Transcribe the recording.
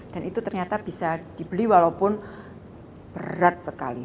dan itu ternyata bisa dibeli walaupun berat sekali